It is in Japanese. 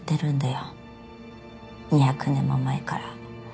２００年も前から。